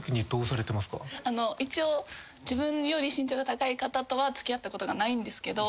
あの一応自分より身長が高い方とは付き合ったことがないんですけど。